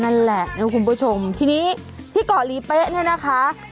นั่นแหละนะคุณผู้ชมทีนี้ที่เกาะลีเป๊ะเนี่ยนะคะ